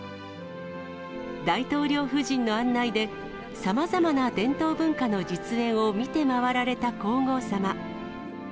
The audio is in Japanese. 大統領夫人の案内で、さまざまな伝統文化の実演を見て回られた皇后さま。